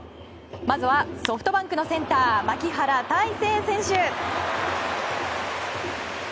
まずはソフトバンクのセンター牧原大成選手。